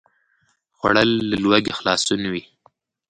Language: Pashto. خوړل له لوږې خلاصون وي